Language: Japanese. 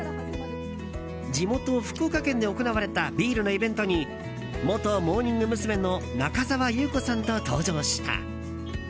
地元・福岡県で行われたビールのイベントに元モーニング娘。の中澤裕子さんと登場した。